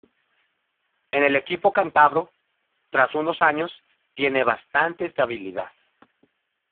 En el equipo cántabro, tras unos años, tiene bastante estabilidad.